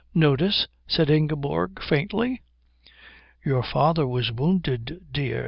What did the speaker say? "Notice?" said Ingeborg faintly. "Your father was wounded, dear.